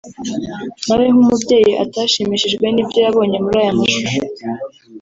nawe nk’umubyeyi atashimishijwe n’ibyo yabonye muri aya mashusho